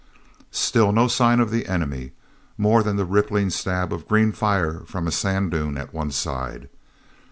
Still no sign of the enemy, more than the ripping stab of green fire from a sand dune at one side.